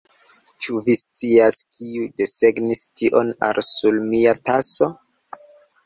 Ĉu vi scias kiu desegnis tion al sur mia taso?